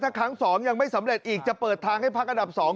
ถ้าครั้ง๒ยังไม่สำเร็จอีกจะเปิดทางให้พักอันดับ๒